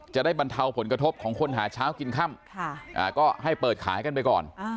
บรรเทาผลกระทบของคนหาเช้ากินค่ำก็ให้เปิดขายกันไปก่อน